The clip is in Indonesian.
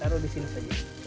taruh di sini saja